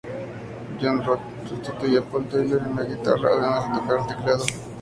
John Roth sustituyó a Paul Taylor en la guitarra, además de tocar el teclado.